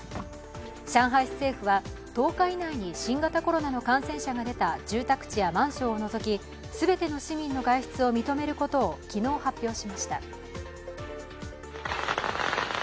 上海市政府は１０日以内に新型コロナの感染者が出た住宅地やマンションを除き全ての市民の外出を認めることを昨日発表しました。